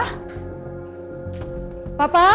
jangan lupa ya